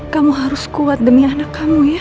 kamu harus kuat demi anak kamu ya